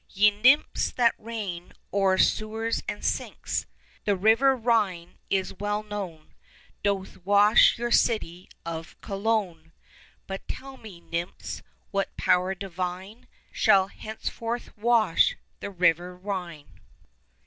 5 Ye Nymphs that reign o'er sewers and sinks, The river Rhine, it is well known, Doth wash your city of Cologne; But tell me, Nymphs, what power divine Shall henceforth wash the river Rhine?